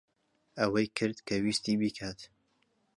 ئەوەی کرد کە ویستی بیکات.